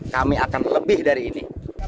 kami akan lebih dari ini